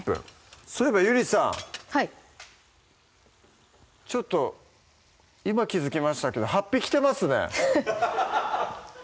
そういえばゆりさんはいちょっと今気付きましたけどはっぴ着てますね